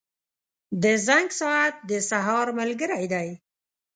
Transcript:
• د زنګ ساعت د سهار ملګری دی.